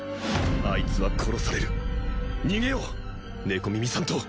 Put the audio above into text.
あいつは殺される逃げよう猫耳さんと